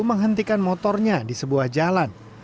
menghentikan motornya di sebuah jalan